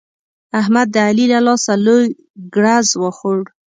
احمد د علي له لاسه لوی ګړز وخوړ.